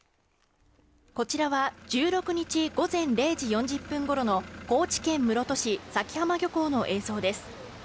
こちらは１６日午前０時４０分ごろの高知県室戸市佐喜浜漁港の映像です。